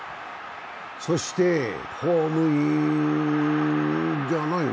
そしてホームイン！じゃないの？